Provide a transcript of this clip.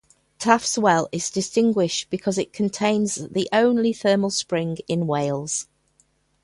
Taff's Well is distinguished because it contains the only thermal spring in Wales.